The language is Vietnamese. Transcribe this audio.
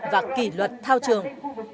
và kỷ luật thao trường